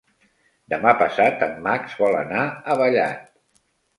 Demà passat en Max vol anar a Vallat.